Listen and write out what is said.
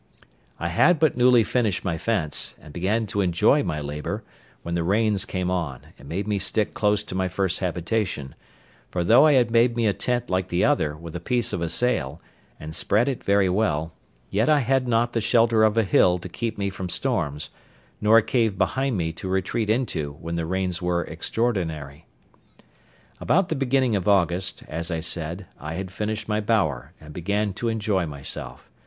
I had but newly finished my fence, and began to enjoy my labour, when the rains came on, and made me stick close to my first habitation; for though I had made me a tent like the other, with a piece of a sail, and spread it very well, yet I had not the shelter of a hill to keep me from storms, nor a cave behind me to retreat into when the rains were extraordinary. About the beginning of August, as I said, I had finished my bower, and began to enjoy myself.